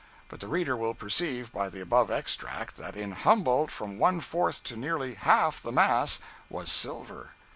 But the reader will perceive by the above extract, that in Humboldt from one fourth to nearly half the mass was silver!